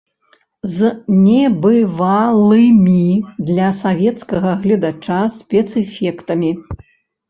З небывалымі для савецкага гледача спецэфектамі.